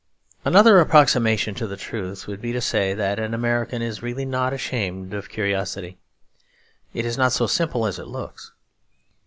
Another approximation to the truth would be to say that an American is really not ashamed of curiosity. It is not so simple as it looks.